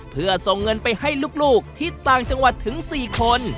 เพื่อส่งเงินไปให้ลูกที่ต่างจังหวัดถึง๔คน